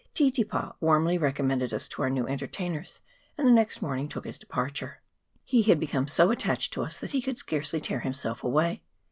Titipa warmly recommended us to our new entertainers, and the next morning took his departure. He had become so attached to us, that he could scarcely tear himself away.